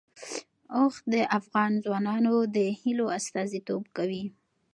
اوښ د افغان ځوانانو د هیلو استازیتوب کوي.